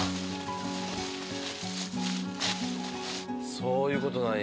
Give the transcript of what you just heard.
そういう事なんや。